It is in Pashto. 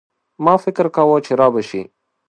ما فکر کاوه چي رابه شي.